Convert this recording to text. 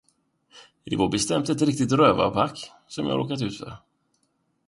Det är bestämt ett riktigt rövarpack, som jag har råkat ut för.